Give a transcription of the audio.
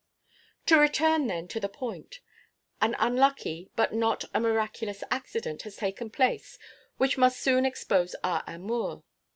To return, then, to the point. An unlucky, but not a miraculous accident has taken place which must soon expose our amour.